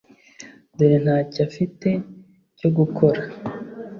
dore ntacyo afite cyo gukora.